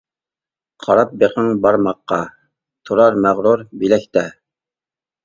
قاراپ بېقىڭ بارماققا، تۇرار مەغرۇر بىلەكتە.